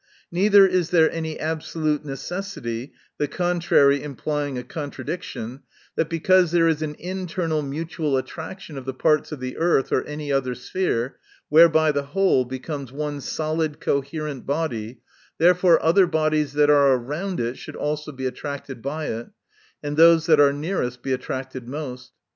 Neither is there any absolute necessity, the contrary implying a contradiction, that because there is an internal mutual attrac tion of the parts of the earth, or any other sphere, whereby the whole becomes one solid coherent body, therefore other bodies that are around it, should also be attracted by it, and those that are nearest, be attracted most.